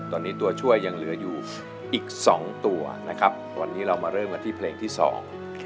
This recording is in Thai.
ตอนนี้ตัวช่วยยังเหลืออยู่อีกสองตัวนะครับวันนี้เรามาเริ่มกันที่เพลงที่สอง